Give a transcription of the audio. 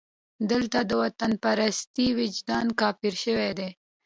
دلته د وطنپرستۍ وجدان کافر شوی دی.